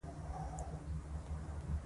په دې پوهنتون کې د نوو څانګو پرانیستل پیل شوي